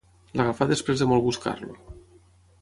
L'agafà després de molt buscar-lo.